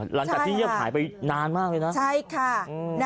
หลังจากที่เงียบหายไปนานมากเลยนะใช่ค่ะ